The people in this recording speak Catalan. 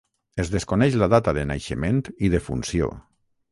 Es desconeix la data de naixement i defunció.